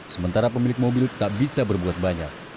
sementara pemilik mobil tak bisa berbuat banyak